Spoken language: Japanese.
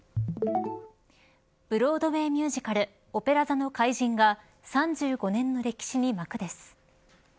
ブロードウェーミュージカルオペラ座の怪人が３５年に歴史に幕です。